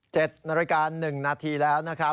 เจ็ดนรการ๑นาทีแล้วนะครับ